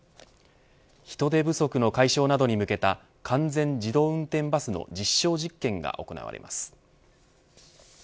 人手不足の解消などに向けた完全自動運転バスの実証実験が行われます。